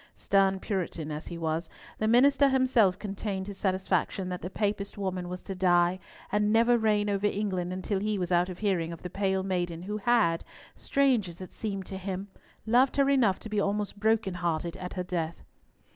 Stern Puritan as he was, the minister himself contained his satisfaction that the Papist woman was to die and never reign over England until he was out of hearing of the pale maiden who had—strange as it seemed to him—loved her enough to be almost broken hearted at her death.